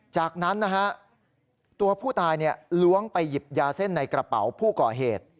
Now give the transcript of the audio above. จากนั้นนะฮะตัวผู้ตายล้วงไปหยิบยาเส้นในกระเป๋าผู้ก่อเหตุ